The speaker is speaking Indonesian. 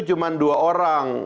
cuma dua orang